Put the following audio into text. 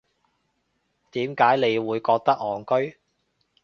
點解你會覺得戇居